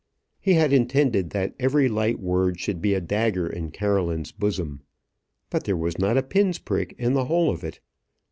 He had intended that every light word should be a dagger in Caroline's bosom; but there was not a pin's prick in the whole of it.